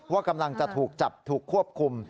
ว่ากำลังจะถูกจับถูกควบคุม